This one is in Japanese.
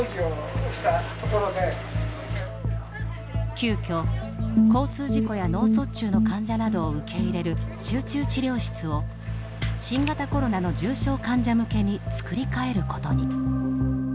急きょ交通事故や脳卒中の患者などを受け入れる集中治療室を新型コロナの重症患者向けに造り替えることに。